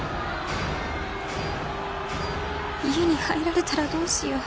家に入られたらどうしよう